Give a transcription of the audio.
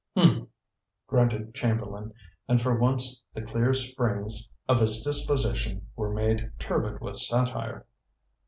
"Humph!" grunted Chamberlain, and for once the clear springs of his disposition were made turbid with satire.